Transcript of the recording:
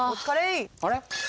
あれ？